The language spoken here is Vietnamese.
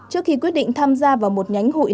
trước khi quyết định tham gia vào một nhánh hội